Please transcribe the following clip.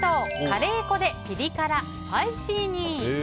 カレー粉でピリ辛スパイシーに！